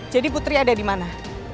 jadi putri ada dimana